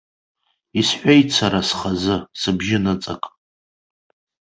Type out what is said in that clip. Исҳәеит сара схазы, сыбжьы ныҵак.